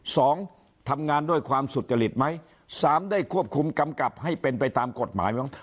สองทำงานด้วยความสุจริตไหมสามได้ควบคุมกำกับให้เป็นไปตามกฎหมายไหม